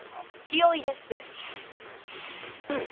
気を入れて。